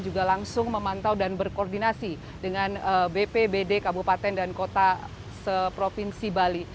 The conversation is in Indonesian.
juga langsung memantau dan berkoordinasi dengan bp bd kabupaten dan kota provinsi bali